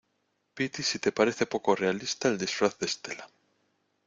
piti, si te parece poco realista el disfraz de Estela